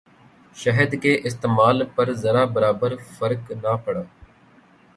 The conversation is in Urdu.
شہد کے استعمال پر ذرہ برابر فرق نہ پڑا۔